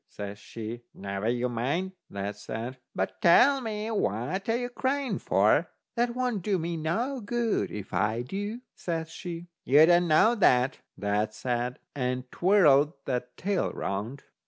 says she. "Never you mind," that said, "but tell me what you're a crying for." "That won't do me no good if I do," says she. "You don't know that," that said, and twirled that's tail round.